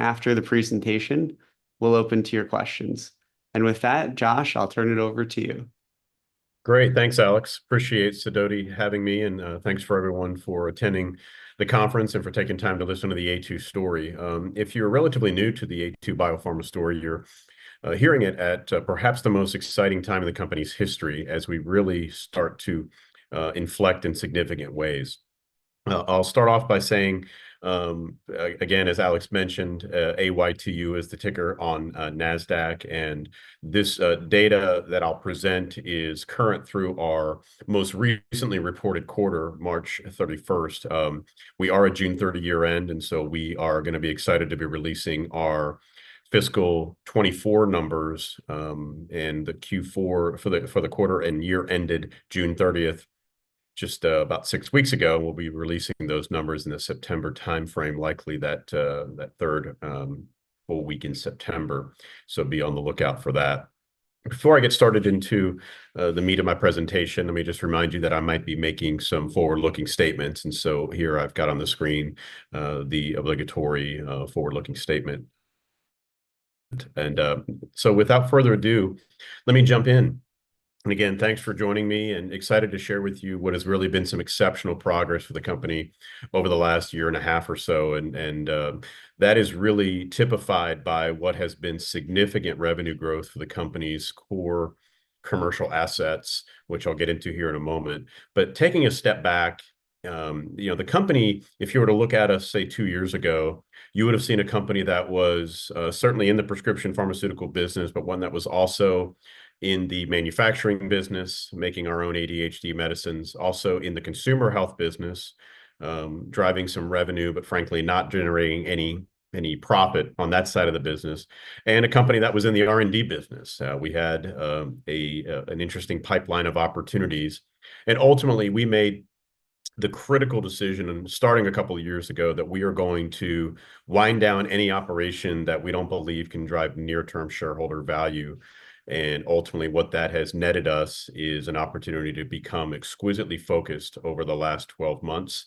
After the presentation, we'll open to your questions. With that, Josh, I'll turn it over to you. Great. Thanks, Alex. Appreciate Sidoti having me, and thanks for everyone for attending the conference and for taking time to listen to the Aytu story. If you're relatively new to the Aytu BioPharma story, you're hearing it at perhaps the most exciting time in the company's history as we really start to inflect in significant ways. I'll start off by saying again, as Alex mentioned, AYTU is the ticker on Nasdaq, and this data that I'll present is current through our most recently reported quarter, March 31. We are a June 30 year-end, and so we are gonna be excited to be releasing our fiscal 2024 numbers, and the Q4 for the quarter and year ended June 30, just about 6 weeks ago. We'll be releasing those numbers in the September timeframe, likely that third full week in September. So be on the lookout for that. Before I get started into the meat of my presentation, let me just remind you that I might be making some forward-looking statements, and so here I've got on the screen the obligatory forward-looking statement. So without further ado, let me jump in. Again, thanks for joining me, and excited to share with you what has really been some exceptional progress for the company over the last year and a half or so. That is really typified by what has been significant revenue growth for the company's core commercial assets, which I'll get into here in a moment. But taking a step back, you know, the company, if you were to look at us, say, two years ago, you would have seen a company that was certainly in the prescription pharmaceutical business, but one that was also in the manufacturing business, making our own ADHD medicines, also in the consumer health business, driving some revenue, but frankly, not generating any, any profit on that side of the business, and a company that was in the R&D business. We had an interesting pipeline of opportunities, and ultimately, we made the critical decision, and starting a couple of years ago, that we are going to wind down any operation that we don't believe can drive near-term shareholder value. And ultimately, what that has netted us is an opportunity to become exquisitely focused over the last 12 months,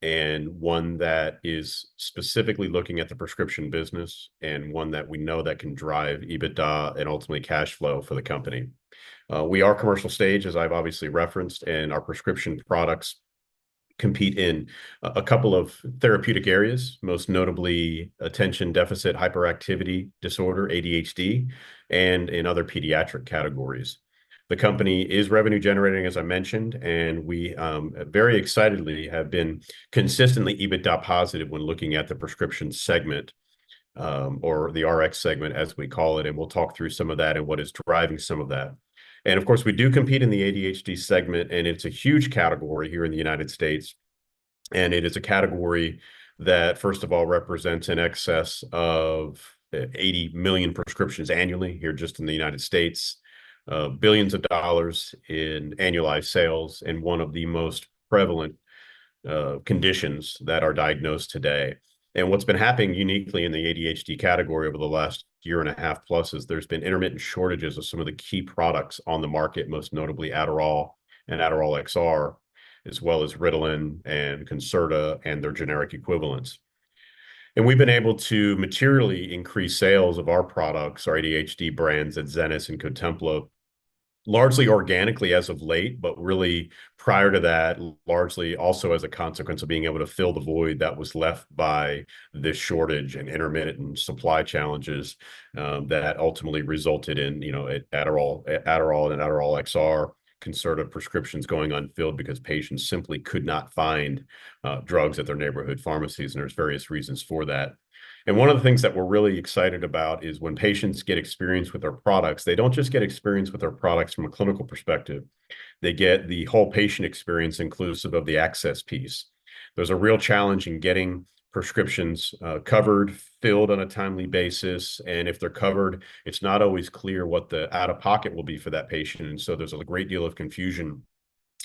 and one that is specifically looking at the prescription business and one that we know that can drive EBITDA and ultimately cash flow for the company. We are commercial stage, as I've obviously referenced, and our prescription products compete in a couple of therapeutic areas, most notably Attention Deficit Hyperactivity Disorder, ADHD, and in other pediatric categories. The company is revenue generating, as I mentioned, and we very excitedly have been consistently EBITDA positive when looking at the prescription segment, or the RX segment, as we call it, and we'll talk through some of that and what is driving some of that. Of course, we do compete in the ADHD segment, and it's a huge category here in the United States, and it is a category that, first of all, represents in excess of 80 million prescriptions annually here just in the United States, billions of dollars in annualized sales and one of the most prevalent conditions that are diagnosed today. What's been happening uniquely in the ADHD category over the last year and a half plus is there's been intermittent shortages of some of the key products on the market, most notably Adderall and Adderall XR, as well as Ritalin and Concerta and their generic equivalents. And we've been able to materially increase sales of our products, our ADHD brands, Adzenys and Cotempla, largely organically as of late, but really prior to that, largely also as a consequence of being able to fill the void that was left by this shortage and intermittent supply challenges, that ultimately resulted in, you know, Adderall, Adderall, and Adderall XR, Concerta prescriptions going unfilled because patients simply could not find, drugs at their neighborhood pharmacies, and there's various reasons for that. One of the things that we're really excited about is when patients get experience with our products, they don't just get experience with our products from a clinical perspective, they get the whole patient experience inclusive of the access piece. There's a real challenge in getting prescriptions, covered, filled on a timely basis, and if they're covered, it's not always clear what the out-of-pocket will be for that patient. And so there's a great deal of confusion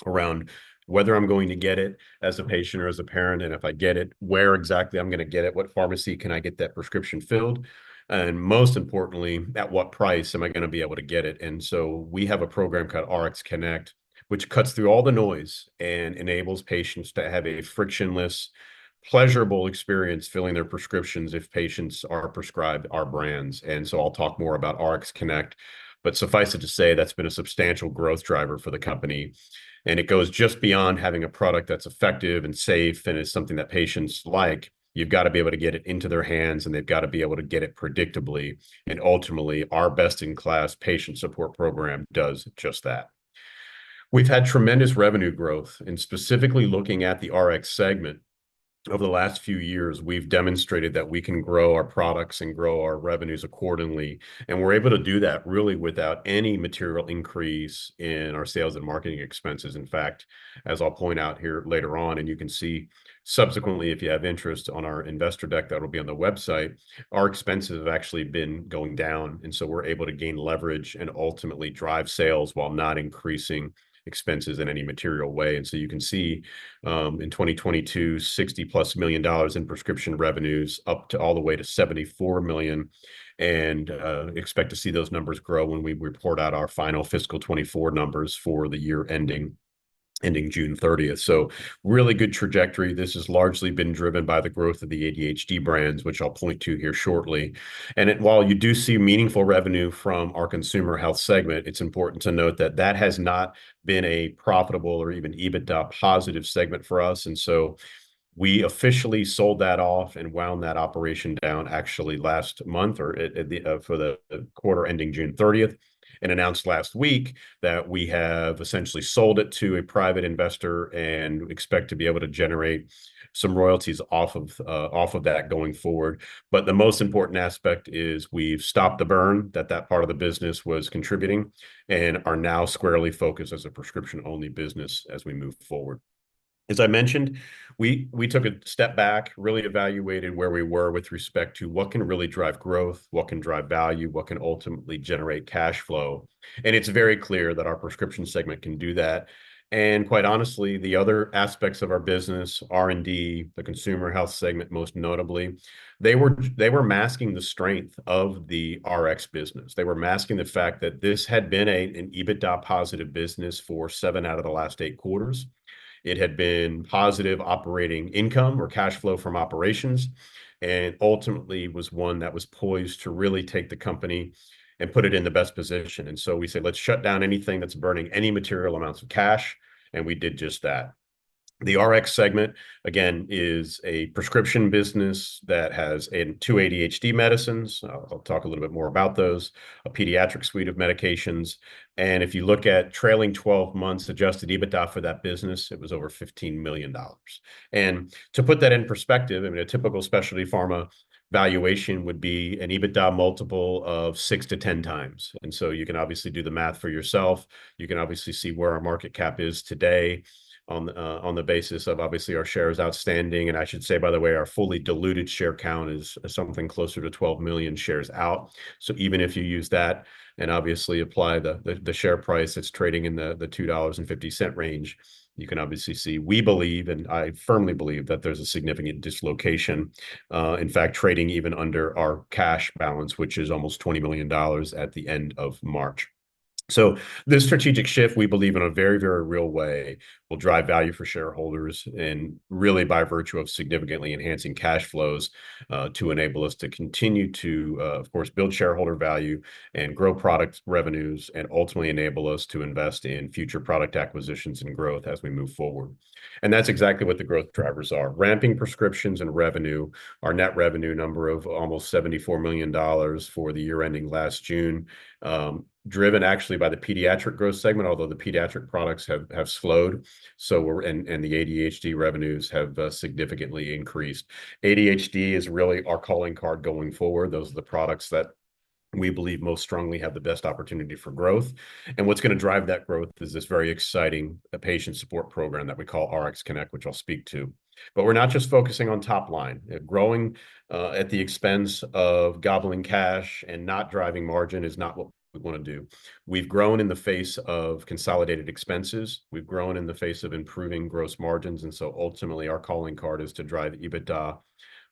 around whether I'm going to get it as a patient or as a parent, and if I get it, where exactly I'm gonna get it, what pharmacy can I get that prescription filled, and most importantly, at what price am I gonna be able to get it? And so we have a program called RxConnect, which cuts through all the noise and enables patients to have a frictionless, pleasurable experience filling their prescriptions if patients are prescribed our brands. And so I'll talk more about RxConnect, but suffice it to say, that's been a substantial growth driver for the company, and it goes just beyond having a product that's effective and safe and is something that patients like. You've got to be able to get it into their hands, and they've got to be able to get it predictably. And ultimately, our best-in-class patient support program does just that. We've had tremendous revenue growth, and specifically looking at the RX segment over the last few years, we've demonstrated that we can grow our products and grow our revenues accordingly, and we're able to do that really without any material increase in our sales and marketing expenses. In fact, as I'll point out here later on, and you can see subsequently, if you have interest on our investor deck, that will be on the website. Our expenses have actually been going down, and so we're able to gain leverage and ultimately drive sales while not increasing expenses in any material way. You can see in 2022, $60+ million in prescription revenues up to all the way to $74 million, and expect to see those numbers grow when we report out our final fiscal 2024 numbers for the year ending June 30th. Really good trajectory. This has largely been driven by the growth of the ADHD brands, which I'll point to here shortly. While you do see meaningful revenue from our consumer health segment, it's important to note that that has not been a profitable or even EBITDA positive segment for us. So we officially sold that off and wound that operation down actually last month, or at the for the quarter ending June thirtieth, and announced last week that we have essentially sold it to a private investor and expect to be able to generate some royalties off of off of that going forward. But the most important aspect is we've stopped the burn, that that part of the business was contributing, and are now squarely focused as a prescription-only business as we move forward. As I mentioned, we took a step back, really evaluated where we were with respect to what can really drive growth, what can drive value, what can ultimately generate cash flow. It's very clear that our prescription segment can do that. Quite honestly, the other aspects of our business, R&D, the consumer health segment, most notably, they were masking the strength of the Rx business. They were masking the fact that this had been an EBITDA-positive business for 7 out of the last 8 quarters. It had been positive operating income or cash flow from operations, and ultimately was one that was poised to really take the company and put it in the best position. So we said, "Let's shut down anything that's burning any material amounts of cash," and we did just that. The Rx segment, again, is a prescription business that has two ADHD medicines. I'll talk a little bit more about those, a pediatric suite of medications. And if you look at trailing 12 months adjusted EBITDA for that business, it was over $15 million. To put that in perspective, I mean, a typical specialty pharma valuation would be an EBITDA multiple of 6-10 times. So you can obviously do the math for yourself. You can obviously see where our market cap is today on the basis of obviously our shares outstanding. I should say, by the way, our fully diluted share count is something closer to 12 million shares out. Even if you use that and obviously apply the share price, it's trading in the $2.50 range, you can obviously see. We believe, and I firmly believe, that there's a significant dislocation, in fact, trading even under our cash balance, which is almost $20 million at the end of March. So this strategic shift, we believe, in a very, very real way, will drive value for shareholders, and really by virtue of significantly enhancing cash flows, to enable us to continue to, of course, build shareholder value and grow product revenues, and ultimately enable us to invest in future product acquisitions and growth as we move forward. And that's exactly what the growth drivers are, ramping prescriptions and revenue, our net revenue number of almost $74 million for the year ending last June, driven actually by the pediatric growth segment, although the pediatric products have slowed. And the ADHD revenues have significantly increased. ADHD is really our calling card going forward. Those are the products that we believe most strongly have the best opportunity for growth. What's gonna drive that growth is this very exciting patient support program that we call RxConnect, which I'll speak to. But we're not just focusing on top line. Growing at the expense of gobbling cash and not driving margin is not what we wanna do. We've grown in the face of consolidated expenses. We've grown in the face of improving gross margins, and so ultimately, our calling card is to drive EBITDA.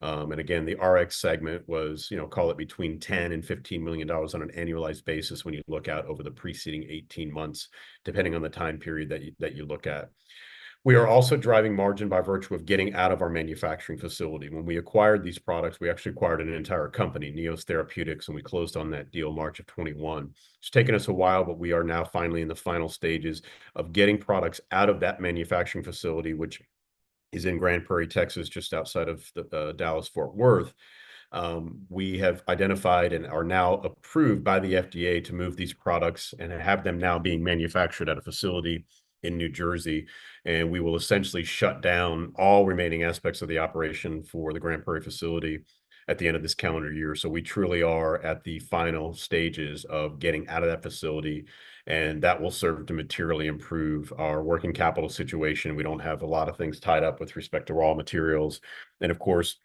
And again, the Rx segment was, you know, call it between $10 million and $15 million on an annualized basis when you look out over the preceding 18 months, depending on the time period that you look at. We are also driving margin by virtue of getting out of our manufacturing facility. When we acquired these products, we actually acquired an entire company, Neos Therapeutics, and we closed on that deal March of 2021. It's taken us a while, but we are now finally in the final stages of getting products out of that manufacturing facility, which is in Grand Prairie, Texas, just outside of the Dallas-Fort Worth. We have identified and are now approved by the FDA to move these products and have them now being manufactured at a facility in New Jersey, and we will essentially shut down all remaining aspects of the operation for the Grand Prairie facility at the end of this calendar year. So we truly are at the final stages of getting out of that facility, and that will serve to materially improve our working capital situation. We don't have a lot of things tied up with respect to raw materials, and of course,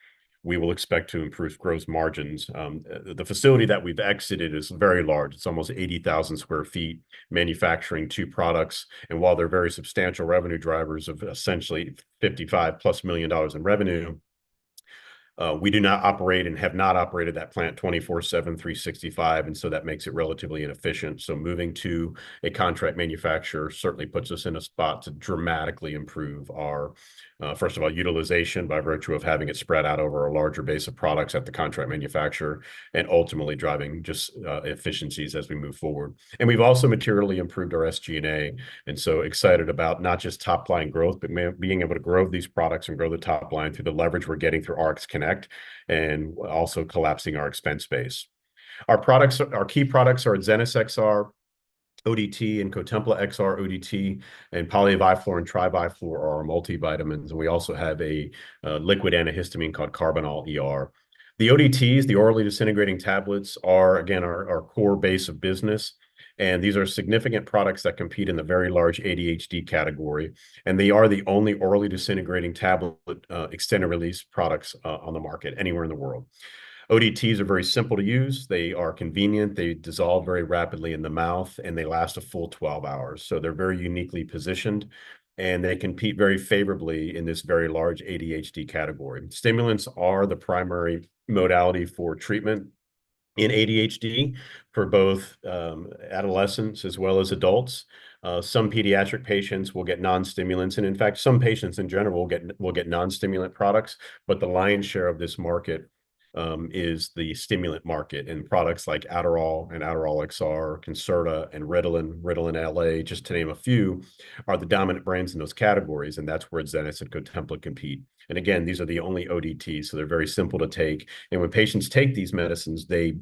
we will expect to improve gross margins. The facility that we've exited is very large. It's almost 80,000 sq ft, manufacturing two products. And while they're very substantial revenue drivers of essentially $55+ million in revenue, we do not operate and have not operated that plant 24/7, 365, and so that makes it relatively inefficient. So moving to a contract manufacturer certainly puts us in a spot to dramatically improve our, first of all, utilization by virtue of having it spread out over a larger base of products at the contract manufacturer, and ultimately driving just, efficiencies as we move forward. We've also materially improved our SG&A, and so excited about not just top-line growth, but being able to grow these products and grow the top line through the leverage we're getting through RxConnect, and also collapsing our expense base. Our products, our key products are Adzenys XR-ODT and Cotempla XR-ODT, and Poly-Vi-Flor and Tri-Vi-Flor are our multivitamins, and we also have a liquid antihistamine called Karbinal ER. The ODTs, the orally disintegrating tablets, are, again, our core base of business, and these are significant products that compete in the very large ADHD category, and they are the only orally disintegrating tablet extended-release products on the market anywhere in the world. ODTs are very simple to use. They are convenient, they dissolve very rapidly in the mouth, and they last a full 12 hours. So they're very uniquely positioned, and they compete very favorably in this very large ADHD category. Stimulants are the primary modality for treatment in ADHD for both adolescents as well as adults. Some pediatric patients will get non-stimulants, and in fact, some patients in general will get, will get non-stimulant products. But the lion's share of this market is the stimulant market, and products like Adderall and Adderall XR, Concerta, and Ritalin, Ritalin LA, just to name a few, are the dominant brands in those categories, and that's where Adzenys and Cotempla compete. And again, these are the only ODTs, so they're very simple to take. And when patients take these medicines, they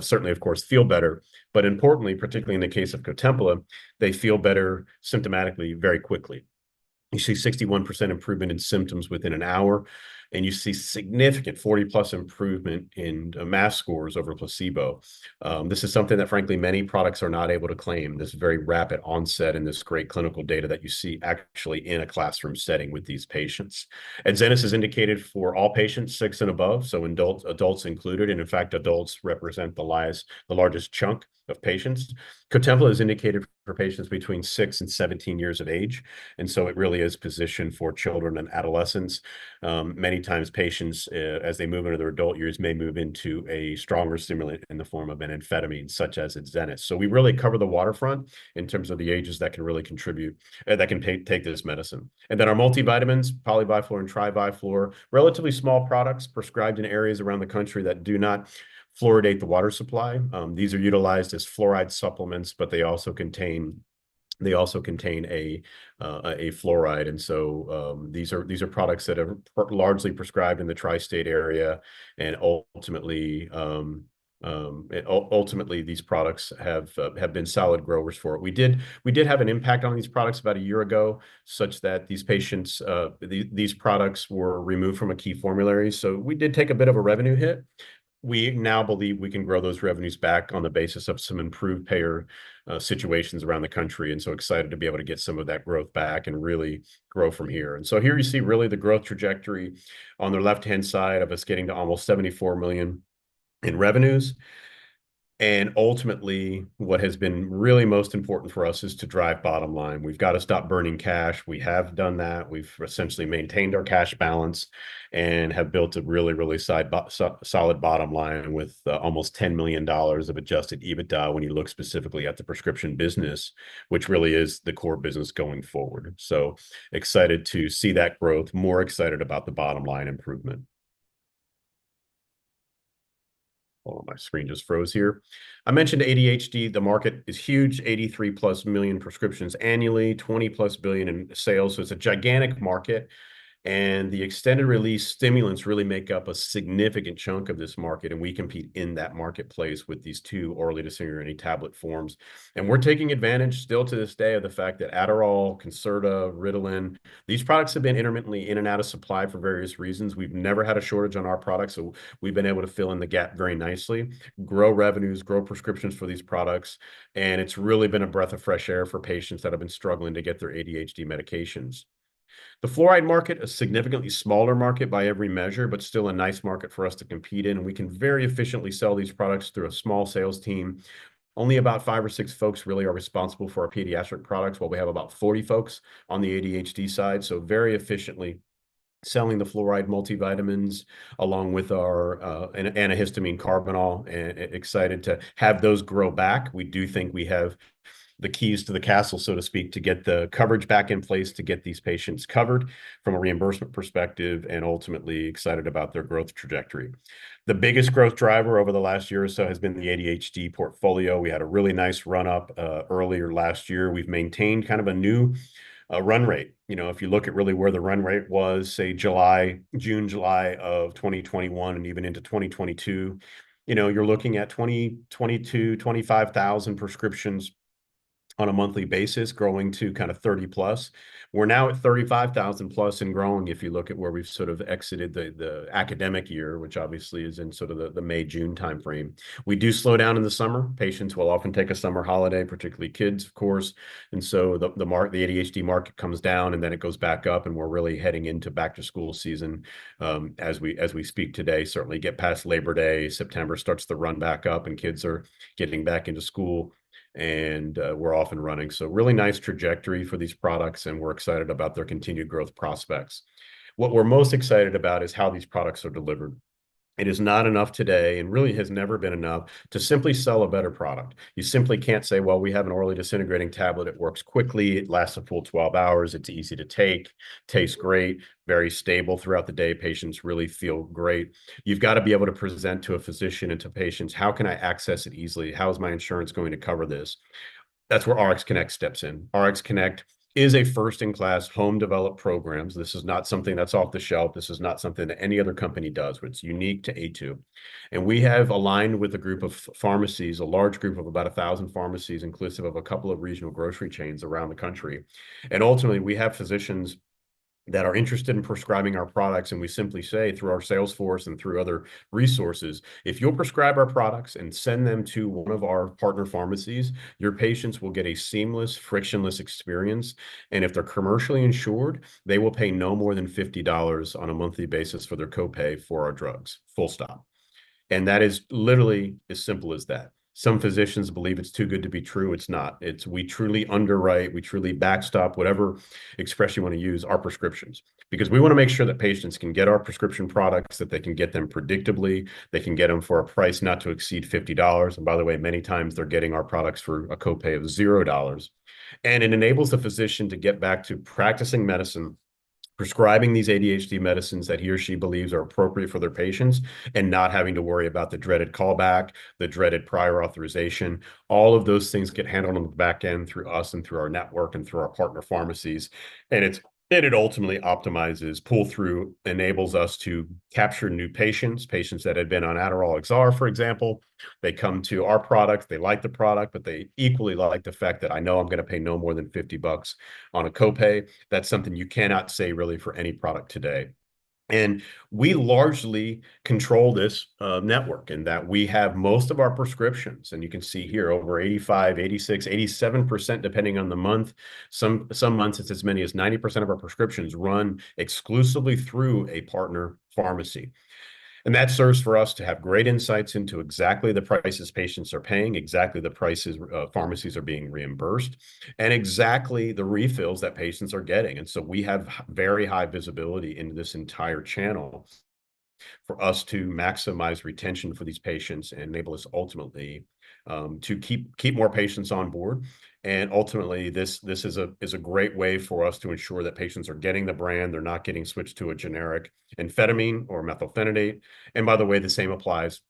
certainly, of course, feel better. But importantly, particularly in the case of Cotempla, they feel better symptomatically very quickly. You see 61% improvement in symptoms within an hour, and you see significant, 40+ improvement in math scores over placebo. This is something that, frankly, many products are not able to claim, this very rapid onset and this great clinical data that you see actually in a classroom setting with these patients. Adzenys is indicated for all patients, six and above, so adults, adults included, and in fact, adults represent the largest chunk of patients. Cotempla is indicated for patients between six and seventeen years of age, and so it really is positioned for children and adolescents. Many times patients, as they move into their adult years, may move into a stronger stimulant in the form of an amphetamine, such as Adzenys. So we really cover the waterfront in terms of the ages that can really contribute, that can take this medicine. And then our multivitamins, Poly-Vi-Flor and Tri-Vi-Flor, relatively small products prescribed in areas around the country that do not fluoridate the water supply. These are utilized as fluoride supplements, but they also contain a fluoride, and so these are products that are largely prescribed in the tri-state area, and ultimately these products have been solid growers for it. We did have an impact on these products about a year ago, such that these products were removed from a key formulary, so we did take a bit of a revenue hit. We now believe we can grow those revenues back on the basis of some improved payer situations around the country, and so excited to be able to get some of that growth back and really grow from here. So here you see really the growth trajectory on the left-hand side of us getting to almost $74 million in revenues. And ultimately, what has been really most important for us is to drive bottom line. We've got to stop burning cash. We have done that. We've essentially maintained our cash balance and have built a really solid bottom line with almost $10 million of Adjusted EBITDA when you look specifically at the prescription business, which really is the core business going forward. So excited to see that growth. More excited about the bottom line improvement. Hold on, my screen just froze here. I mentioned ADHD. The market is huge, 83+ million prescriptions annually, $20+ billion in sales, so it's a gigantic market. And the extended-release stimulants really make up a significant chunk of this market, and we compete in that marketplace with these two orally disintegrating tablet forms. And we're taking advantage still to this day of the fact that Adderall, Concerta, Ritalin, these products have been intermittently in and out of supply for various reasons. We've never had a shortage on our products, so we've been able to fill in the gap very nicely, grow revenues, grow prescriptions for these products, and it's really been a breath of fresh air for patients that have been struggling to get their ADHD medications. The fluoride market, a significantly smaller market by every measure, but still a nice market for us to compete in, and we can very efficiently sell these products through a small sales team. Only about five or six folks really are responsible for our pediatric products, while we have about 40 folks on the ADHD side, so very efficiently selling the fluoride multivitamins, along with our antihistamine Karbinal, and excited to have those grow back. We do think we have the keys to the castle, so to speak, to get the coverage back in place, to get these patients covered from a reimbursement perspective, and ultimately excited about their growth trajectory. The biggest growth driver over the last year or so has been the ADHD portfolio. We had a really nice run-up earlier last year. We've maintained kind of a new run rate. You know, if you look at really where the run rate was, say, July... June, July of 2021, and even into 2022, you know, you're looking at 20, 22, 25,000 prescriptions on a monthly basis, growing to kinda 30+. We're now at 35,000+ and growing, if you look at where we've sort of exited the academic year, which obviously is in sort of the May-June timeframe. We do slow down in the summer. Patients will often take a summer holiday, particularly kids, of course. And so the ADHD market comes down, and then it goes back up, and we're really heading into back-to-school season, as we speak today. Certainly get past Labor Day, September starts to run back up, and kids are getting back into school, and we're off and running. So really nice trajectory for these products, and we're excited about their continued growth prospects. What we're most excited about is how these products are delivered. It is not enough today, and really has never been enough, to simply sell a better product. You simply can't say, "Well, we have an orally disintegrating tablet. It works quickly, it lasts a full 12 hours, it's easy to take, tastes great, very stable throughout the day. Patients really feel great." You've got to be able to present to a physician and to patients: "How can I access it easily? How is my insurance going to cover this?" That's where RxConnect steps in. RxConnect is a first-in-class, home-developed programs. This is not something that's off the shelf. This is not something that any other company does, but it's unique to Aytu. We have aligned with a group of pharmacies, a large group of about 1,000 pharmacies, inclusive of a couple of regional grocery chains around the country. Ultimately, we have physicians that are interested in prescribing our products, and we simply say, through our sales force and through other resources, "If you'll prescribe our products and send them to one of our partner pharmacies, your patients will get a seamless, frictionless experience, and if they're commercially insured, they will pay no more than $50 on a monthly basis for their copay for our drugs." Full stop. That is literally as simple as that. Some physicians believe it's too good to be true. It's not. It's... We truly underwrite, we truly backstop, whatever expression you wanna use, our prescriptions. Because we wanna make sure that patients can get our prescription products, that they can get them predictably, they can get them for a price not to exceed $50. And by the way, many times they're getting our products for a copay of $0. And it enables the physician to get back to practicing medicine, prescribing these ADHD medicines that he or she believes are appropriate for their patients, and not having to worry about the dreaded callback, the dreaded prior authorization. All of those things get handled on the back end through us, and through our network, and through our partner pharmacies, and it ultimately optimizes. Pull-through enables us to capture new patients, patients that had been on Adderall XR, for example. They come to our product, they like the product, but they equally like the fact that I know I'm gonna pay no more than $50 on a copay. That's something you cannot say really for any product today. We largely control this network, in that we have most of our prescriptions, and you can see here, over 85%, 86%, 87%, depending on the month. Some months, it's as many as 90% of our prescriptions run exclusively through a partner pharmacy. And that serves for us to have great insights into exactly the prices patients are paying, exactly the prices pharmacies are being reimbursed, and exactly the refills that patients are getting. And so we have very high visibility into this entire channel for us to maximize retention for these patients, and enable us, ultimately, to keep more patients on board. Ultimately, this is a great way for us to ensure that patients are getting the brand, they're not getting switched to a generic amphetamine or methylphenidate. By the way, the same applies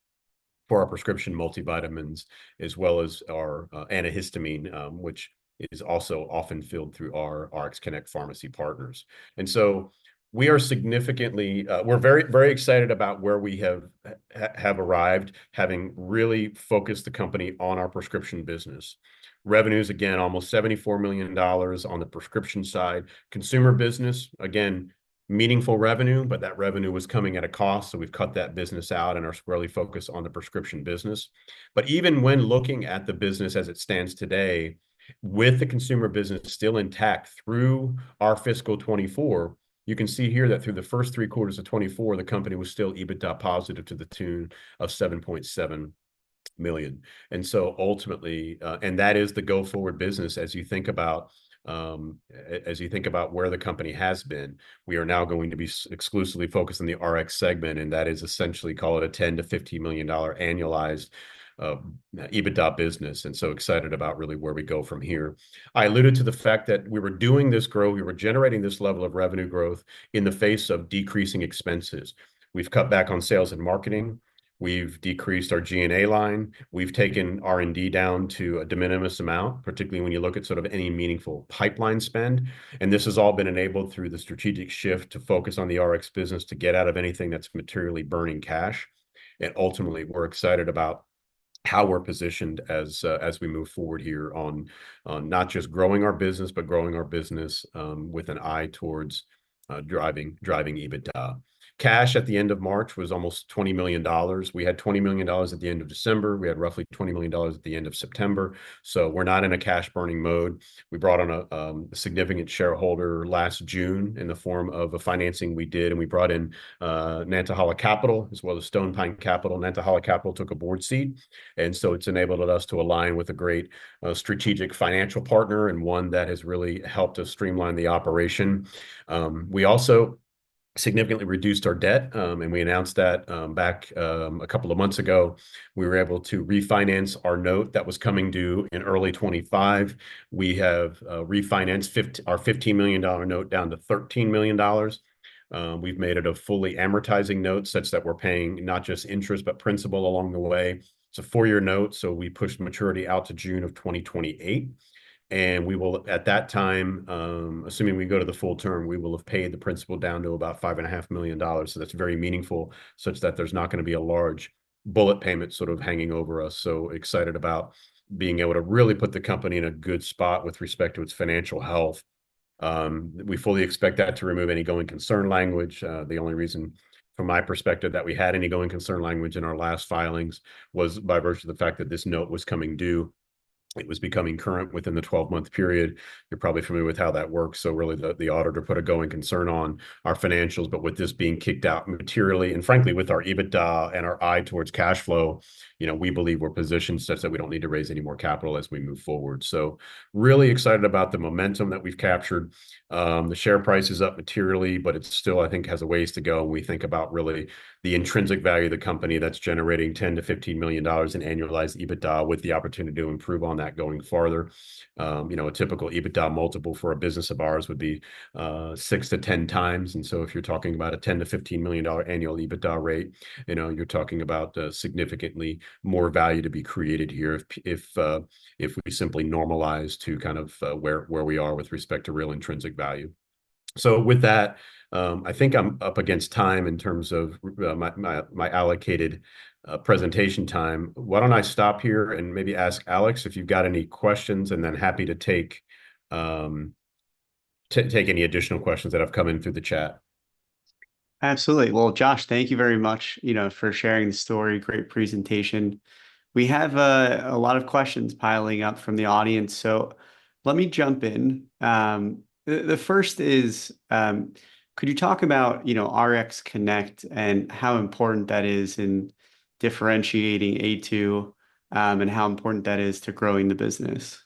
for our prescription multivitamins, as well as our antihistamine, which is also often filled through our RxConnect pharmacy partners. So we are significantly, we're very, very excited about where we have arrived, having really focused the company on our prescription business. Revenues, again, almost $74 million on the prescription side. Consumer business, again, meaningful revenue, but that revenue was coming at a cost, so we've cut that business out and are squarely focused on the prescription business. But even when looking at the business as it stands today, with the consumer business still intact through our fiscal 2024, you can see here that through the first three quarters of 2024, the company was still EBITDA positive to the tune of $7.7 million. And so ultimately, and that is the go-forward business as you think about as you think about where the company has been. We are now going to be exclusively focused on the Rx segment, and that is essentially, call it a $10-$15 million annualized EBITDA business, and so excited about really where we go from here. I alluded to the fact that we were doing this growth, we were generating this level of revenue growth, in the face of decreasing expenses. We've cut back on sales and marketing. We've decreased our G&A line. We've taken R&D down to a de minimis amount, particularly when you look at sort of any meaningful pipeline spend. This has all been enabled through the strategic shift to focus on the Rx business, to get out of anything that's materially burning cash. Ultimately, we're excited about how we're positioned as we move forward here on not just growing our business, but growing our business with an eye towards driving, driving EBITDA. Cash at the end of March was almost $20 million. We had $20 million at the end of December. We had roughly $20 million at the end of September. So we're not in a cash burning mode. We brought on a significant shareholder last June in the form of a financing we did, and we brought in Nantahala Capital, as well as Stonepine Capital. Nantahala Capital took a board seat, and so it's enabled us to align with a great, strategic financial partner, and one that has really helped us streamline the operation. We also significantly reduced our debt, and we announced that, back, a couple of months ago. We were able to refinance our note that was coming due in early 2025. We have, refinanced our $15 million note down to $13 million. We've made it a fully amortizing note, such that we're paying not just interest, but principal along the way. It's a four-year note, so we pushed maturity out to June 2028, and we will, at that time, assuming we go to the full term, we will have paid the principal down to about $5.5 million. So that's very meaningful, such that there's not gonna be a large bullet payment sort of hanging over us. So, excited about being able to really put the company in a good spot with respect to its financial health. We fully expect that to remove any going concern language. The only reason, from my perspective, that we had any going concern language in our last filings, was by virtue of the fact that this note was coming due. It was becoming current within the twelve-month period. You're probably familiar with how that works, so really the auditor put a going concern on our financials. But with this being kicked out materially, and frankly, with our EBITDA and our eye towards cash flow, you know, we believe we're positioned such that we don't need to raise any more capital as we move forward. So, really excited about the momentum that we've captured. The share price is up materially, but it still, I think, has a ways to go when we think about really the intrinsic value of the company that's generating $10-$15 million in annualized EBITDA, with the opportunity to improve on that going farther. You know, a typical EBITDA multiple for a business of ours would be 6x-10x. And so if you're talking about a $10-$15 million annual EBITDA rate, you know, you're talking about significantly more value to be created here, if we simply normalize to kind of where we are with respect to real intrinsic value. So with that, I think I'm up against time in terms of my allocated presentation time. Why don't I stop here and maybe ask Alex if you've got any questions, and then happy to take any additional questions that have come in through the chat. Absolutely. Well, Josh, thank you very much, you know, for sharing the story. Great presentation. We have a lot of questions piling up from the audience, so let me jump in. The first is, could you talk about, you know, RxConnect and how important that is in differentiating Aytu, and how important that is to growing the business?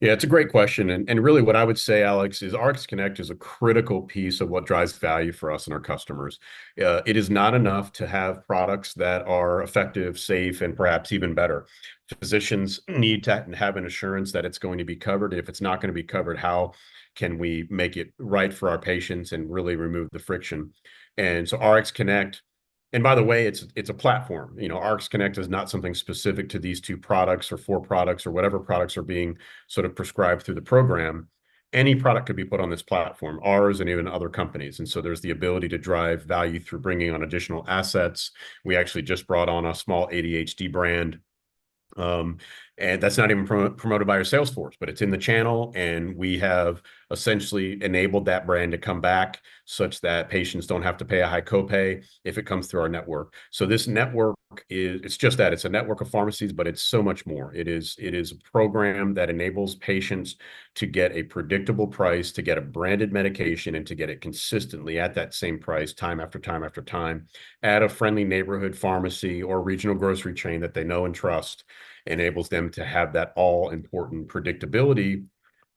Yeah, it's a great question, and, and really what I would say, Alex, is RxConnect is a critical piece of what drives value for us and our customers. It is not enough to have products that are effective, safe, and perhaps even better. Physicians need to have an assurance that it's going to be covered, and if it's not gonna be covered, how can we make it right for our patients and really remove the friction? And so RxConnect. And by the way, it's, it's a platform. You know, RxConnect is not something specific to these two products or four products or whatever products are being sort of prescribed through the program. Any product could be put on this platform, ours and even other companies. And so there's the ability to drive value through bringing on additional assets. We actually just brought on a small ADHD brand, and that's not even promoted by our sales force, but it's in the channel, and we have essentially enabled that brand to come back, such that patients don't have to pay a high copay if it comes through our network. So this network it's just that, it's a network of pharmacies, but it's so much more. It is, it is a program that enables patients to get a predictable price, to get a branded medication, and to get it consistently at that same price, time after time after time, at a friendly neighborhood pharmacy or regional grocery chain that they know and trust. Enables them to have that all-important predictability,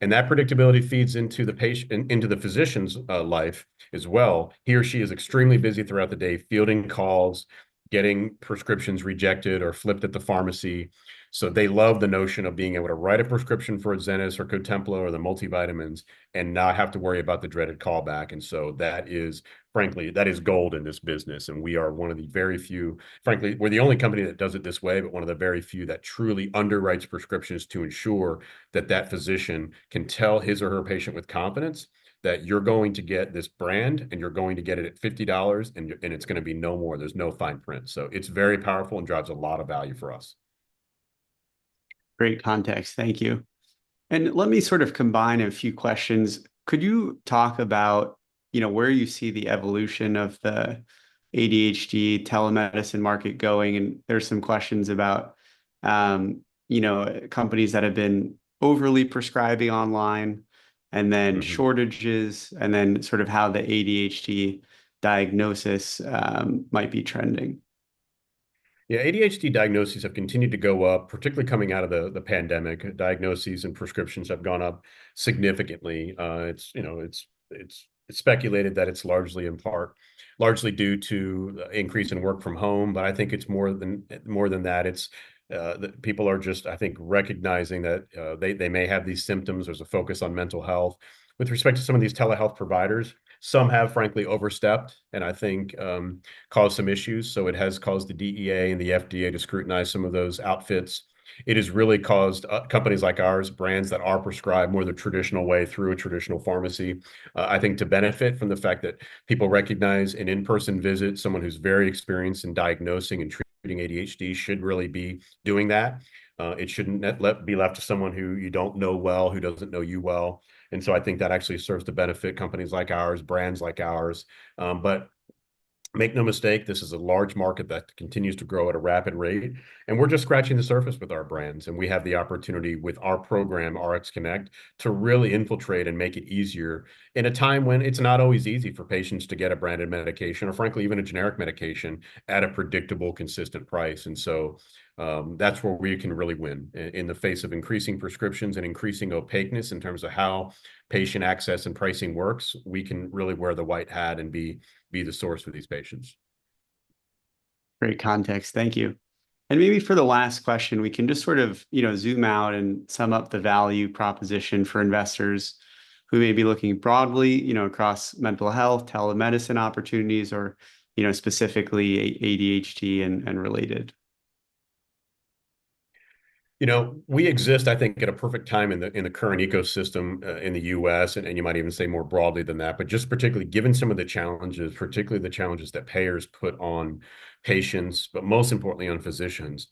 and that predictability feeds into the into the physician's life as well. He or she is extremely busy throughout the day, fielding calls, getting prescriptions rejected or flipped at the pharmacy. So they love the notion of being able to write a prescription for Adzenys or Cotempla or the multivitamins and not have to worry about the dreaded call back, and so that is, frankly, that is gold in this business, and we are one of the very few... Frankly, we're the only company that does it this way, but one of the very few that truly underwrites prescriptions to ensure that that physician can tell his or her patient with confidence that you're going to get this brand, and you're going to get it at $50, and it's gonna be no more. There's no fine print. So it's very powerful and drives a lot of value for us. Great context. Thank you. And let me sort of combine a few questions. Could you talk about, you know, where you see the evolution of the ADHD telemedicine market going? And there's some questions about, you know, companies that have been overly prescribing online, and then- Mm-hmm... shortages, and then sort of how the ADHD diagnosis might be trending. Yeah, ADHD diagnoses have continued to go up, particularly coming out of the pandemic. Diagnoses and prescriptions have gone up significantly. It's, you know, speculated that it's largely in part, largely due to the increase in work from home, but I think it's more than that. It's that people are just, I think, recognizing that they may have these symptoms. There's a focus on mental health. With respect to some of these telehealth providers, some have, frankly, overstepped, and I think caused some issues, so it has caused the DEA and the FDA to scrutinize some of those outfits. It has really caused companies like ours, brands that are prescribed more the traditional way through a traditional pharmacy, I think to benefit from the fact that people recognize an in-person visit, someone who's very experienced in diagnosing and treating ADHD should really be doing that. It shouldn't be left to someone who you don't know well, who doesn't know you well, and so I think that actually serves to benefit companies like ours, brands like ours. But make no mistake, this is a large market that continues to grow at a rapid rate, and we're just scratching the surface with our brands, and we have the opportunity with our program, RxConnect, to really infiltrate and make it easier in a time when it's not always easy for patients to get a branded medication or, frankly, even a generic medication at a predictable, consistent price. That's where we can really win. In the face of increasing prescriptions and increasing opaqueness in terms of how patient access and pricing works, we can really wear the white hat and be the source for these patients. Great context. Thank you. And maybe for the last question, we can just sort of, you know, zoom out and sum up the value proposition for investors who may be looking broadly, you know, across mental health, telemedicine opportunities, or, you know, specifically ADHD and related. You know, we exist, I think, at a perfect time in the in the current ecosystem in the U.S., and you might even say more broadly than that, but just particularly given some of the challenges, particularly the challenges that payers put on patients, but most importantly, on physicians.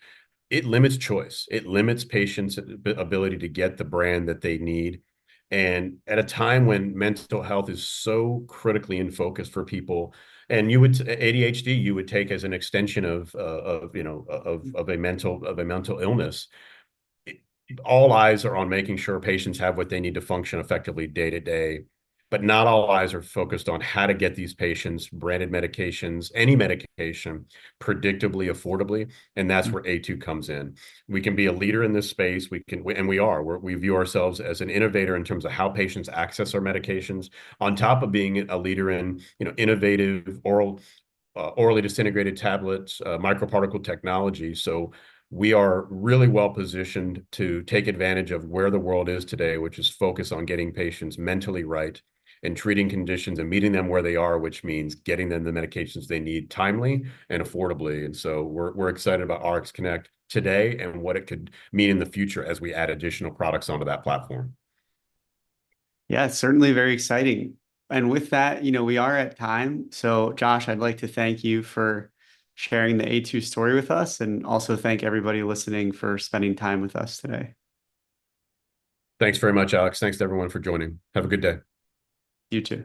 It limits choice. It limits patients' ability to get the brand that they need. And at a time when mental health is so critically in focus for people, and you would... ADHD, you would take as an extension of, of, you know, of, of a mental, of a mental illness. All eyes are on making sure patients have what they need to function effectively day to day, but not all eyes are focused on how to get these patients branded medications, any medication, predictably, affordably, and that's where Aytu comes in. We can be a leader in this space. We can and we are. We view ourselves as an innovator in terms of how patients access our medications, on top of being a leader in, you know, innovative oral, orally disintegrated tablets, microparticle technology. So we are really well-positioned to take advantage of where the world is today, which is focused on getting patients mentally right and treating conditions and meeting them where they are, which means getting them the medications they need timely and affordably. And so we're, we're excited about RxConnect today and what it could mean in the future as we add additional products onto that platform. Yeah, it's certainly very exciting. And with that, you know, we are at time. So Josh, I'd like to thank you for sharing the Aytu story with us, and also thank everybody listening for spending time with us today. Thanks very much, Alex. Thanks to everyone for joining. Have a good day. You too.